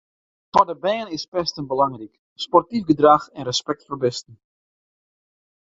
Foar de bern is pesten belangryk, sportyf gedrach en respekt foar bisten.